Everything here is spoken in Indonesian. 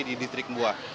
di distrik mua